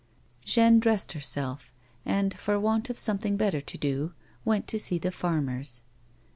Jeanne dressed herself, and, for want of something better to do, went to see the farmers.